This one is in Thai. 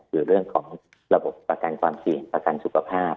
คือเรื่องของระบบประกันความเสี่ยงประกันสุขภาพ